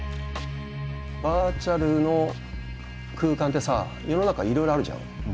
バーチャルの空間ってさ世の中いろいろあるじゃん。